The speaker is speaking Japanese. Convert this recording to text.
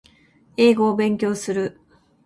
英語を勉強する